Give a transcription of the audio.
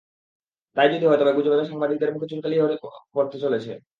তা-ই যদি হয়, তবে গুজবে সাংবাদিকদের মুখে চুনকালিই হয়তো পড়তে চলেছে।